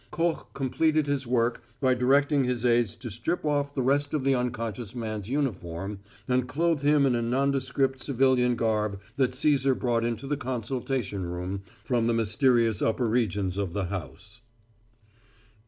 Koch completed his work by directing his aids to strip off the rest of the unconscious man's uniform and clothe him in a nondescript civilian garb that Cæsar brought into the consultation room from the mysterious upper regions of the house.